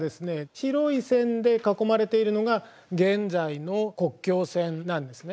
白い線で囲まれているのが現在の国境線なんですね。